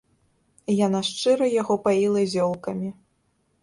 Яна шчыра яго паіла зёлкамі.